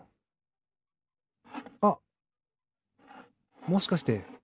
あっもしかして。